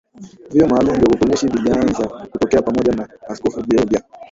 vyeo maalumu vya utumishi vilianza kutokea Pamoja na Askofu vyeo vya